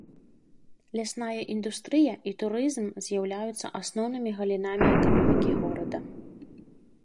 Лясная індустрыя і турызм з'яўляюцца асноўнымі галінамі эканомікі горада.